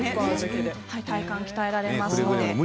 体幹が鍛えられます。